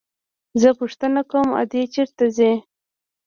زه پوښتنه کوم ادې چېرته ځي.